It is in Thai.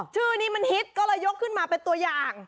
ชื่อนี้มันฮิตก็เลยยกขึ้นมาเป็นตัวอย่าง